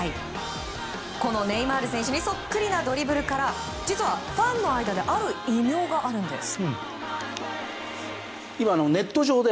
このネイマール選手にそっくりなドリブルから実は、ファンの間である異名があるんです。